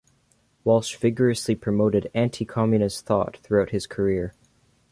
Walsh vigorously promoted anti-Communist thought throughout his career.